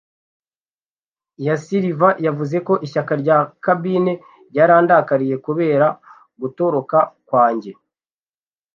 ya Silver yavuze, ko ishyaka rya cabine ryarandakariye kubera gutoroka kwanjye, I.